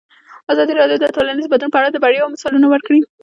ازادي راډیو د ټولنیز بدلون په اړه د بریاوو مثالونه ورکړي.